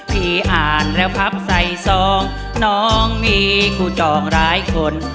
พี่อ่านแล้วพับใส่ซองน้องมีคู่จองร้ายคน